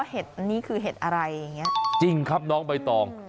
เห็ดอันนี้คือเห็ดอะไรอย่างเงี้ยจริงครับน้องใบตอง